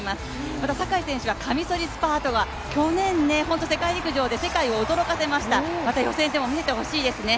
また坂井選手はカミソリスタートが、去年、世界を驚かせました、また予選でも見せてほしいですね。